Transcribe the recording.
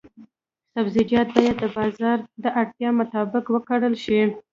سبزیجات باید د بازار د اړتیاوو مطابق وکرل شي.